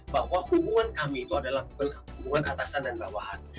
bahwa hubungan kami itu adalah hubungan atasan dan bawahan